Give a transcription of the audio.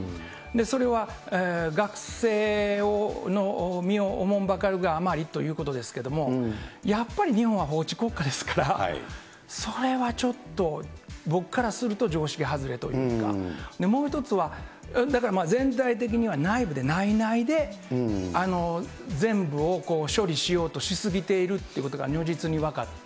それは学生の身をおもんぱかるがあまりということですけれども、やっぱり日本は法治国家ですから、それはちょっと、僕からすると常識外れというか、もう１つは、だから全体的には内部で内々で全部を処理しようとし過ぎているということが如実に分かって。